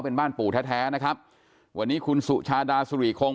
เป็นบ้านปู่แท้แท้นะครับวันนี้คุณสุชาดาสุริคง